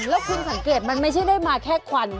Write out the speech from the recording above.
แล้วคุณสังเกตมันไม่ใช่ได้มาแค่ควัน